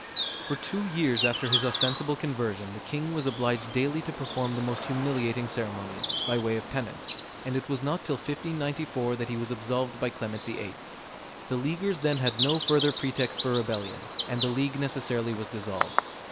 For two years after his ostensible conversion, the king was obliged daily to perform the most humiliating ceremonies, by way of penance; and it was not till 1594 that he was absolved by Clement VIII. The Leaguers then had no further pretext for rebellion, and the League necessarily was dissolved.